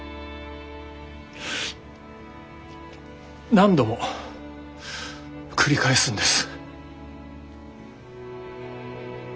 何度も繰り返すんです。